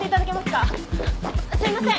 ああすいません。